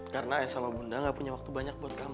karena ayah sama bunda gak punya waktu banyak buat kamu